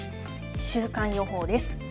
週間予報です。